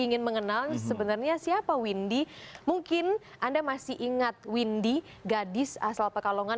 ingin mengenal sebenarnya siapa windy mungkin anda masih ingat windy gadis asal pekalongan